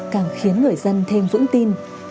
càng khiến người dân thêm vững tin